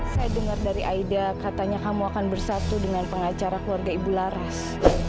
saya dengar dari aida katanya kamu akan bersatu dengan pengacara keluarga ibu laras